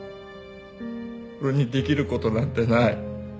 俺にできることなんてない。